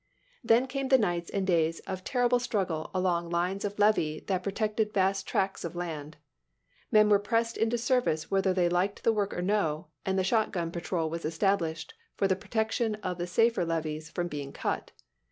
Then came the nights and days of terrible struggle along lines of levee that protected vast tracts of lands. Men were pressed into service whether they liked the work or no, and the shotgun patrol was established for the protection of the safer levees from being cut.